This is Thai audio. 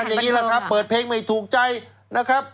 อย่างนี้แหละครับเปิดเพลงไม่ถูกใจนะครับ